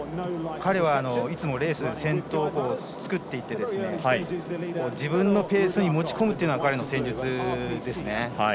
彼はいつもレースで先頭を作っていって自分のペースに持ち込むのが彼の戦術ですね。